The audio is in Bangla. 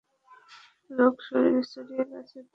রোগ শরীরে ছড়িয়ে গেছে, তার মানে তো?